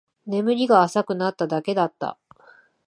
眠りが浅くなっただけだった